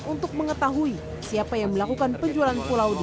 untuk mengetahui siapa yang melakukan penjualan